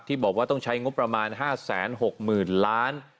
ที่บอกว่าต้องใช้งบประมาณห้าแสนหกหมื่นล้าน